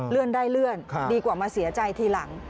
ได้เลื่อนดีกว่ามาเสียใจทีหลัง